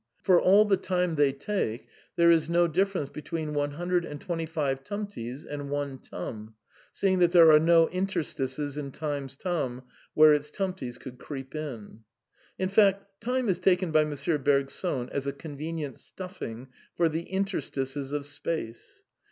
For all the time they take, there is no difference between one hundred and twenty five tumties and one tum, seeing that there are no interstices in Time's tum where its tumties could creep in. v^ In fact, time is taken by M. Bergson as a convenient ^stuffing for the interstices of space.